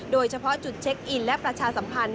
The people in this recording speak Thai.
โดยเฉพาะจุดเช็คอินและประชาสัมพันธ์